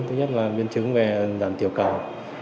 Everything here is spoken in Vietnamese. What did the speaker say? thứ nhất là biến chứng về giảm tiểu cầu